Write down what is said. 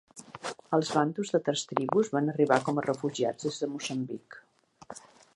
Els bantus d'altres tribus van arribar com a refugiats des de Moçambic.